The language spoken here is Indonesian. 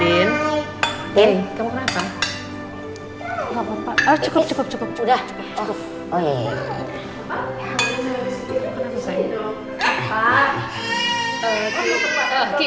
hai ini kamu kenapa enggak papa cukup cukup sudah